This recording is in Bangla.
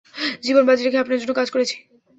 জীবন বাজি রেখে আপনার জন্য কাজ করেছি।